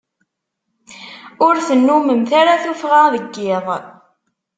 Ur tennumemt ara tuffɣa deg iḍ.